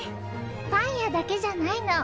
パン屋だけじゃないの。